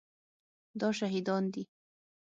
دا شهیدان دي